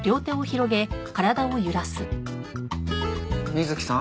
水木さん？